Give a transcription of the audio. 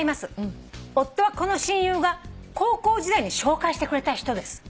「夫はこの親友が高校時代に紹介してくれた人です」